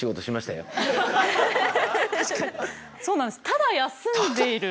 ただ休んでいる。